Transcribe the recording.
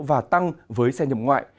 và tăng với xe nhập ngoại